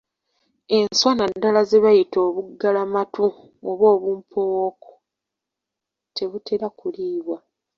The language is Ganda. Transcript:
Enswa naddala ze bayita obuggalamatu oba obumpowooko tebutera kuliibwa.